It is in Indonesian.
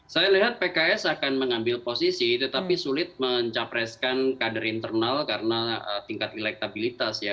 saya lihat pks akan mengambil posisi tetapi sulit mencapreskan kader internal karena tingkat elektabilitas ya